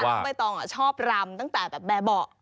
น้องเบย์ตองชอบรำตั้งแต่แบบแบ่บ่ะ